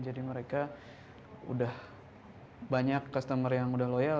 jadi mereka udah banyak customer yang udah loyal